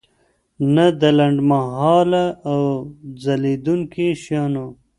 نه د لنډمهاله او ځلیدونکي شیانو.